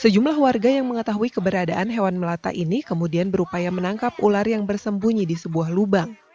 sejumlah warga yang mengetahui keberadaan hewan melata ini kemudian berupaya menangkap ular yang bersembunyi di sebuah lubang